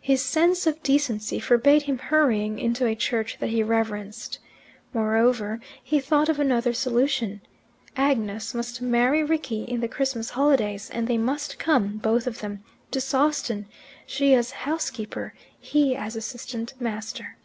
His sense of decency forbade him hurrying into a Church that he reverenced. Moreover, he thought of another solution: Agnes must marry Rickie in the Christmas holidays, and they must come, both of them, to Sawston, she as housekeeper, he as assistant master.